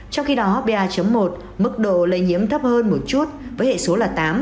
trong khi đó ba một mức độ lây nhiễm thấp hơn một chút với hệ số là tám